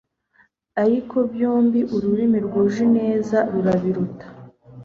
ariko byombi ururimi rwuje ineza rurabiruta